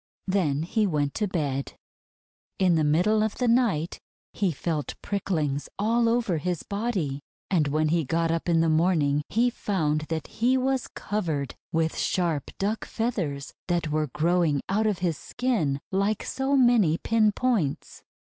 Then he went to bed. In the middle of the night he felt pricklings all over his body, and when he got up in the morn ing he found that he was covered with sharp duck feathers that were growing out of his skin like so many pin points.